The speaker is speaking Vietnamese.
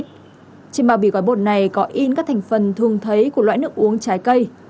trên bao bì gói bột này có in các thành phần thường thấy của loại nước uống trái cây